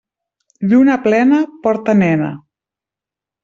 Lluna plena porta nena.